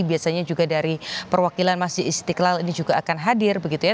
biasanya juga dari perwakilan masjid istiqlal ini juga akan hadir begitu ya